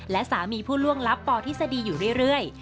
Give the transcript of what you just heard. และสามีผู้ล่วงลับปทฤษฎีอยู่เรื่อย